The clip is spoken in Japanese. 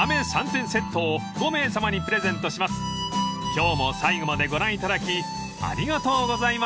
［今日も最後までご覧いただきありがとうございました］